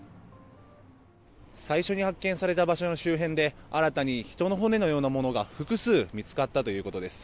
最初に発見された場所の周辺で新たに人の骨のようなものが複数見つかったということです。